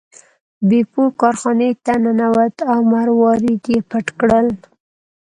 بیپو کارخانې ته ننوت او مروارید یې پټ کړ.